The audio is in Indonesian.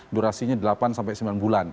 durasinya delapan sembilan bulan